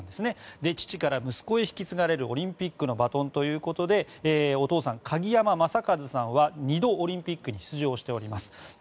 父から息子へ引き継がれるオリンピックのバトンということでお父さん、鍵山正和さんは２度オリンピックに出場しております。